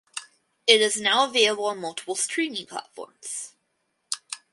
It is now available on multiple streaming platforms.